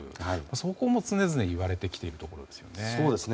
そこも常々言われてきているところですね。